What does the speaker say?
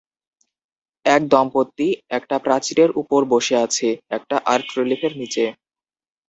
এক দম্পতি একটা প্রাচীরের উপর বসে আছে, একটা আর্ট রিলিফের নিচে।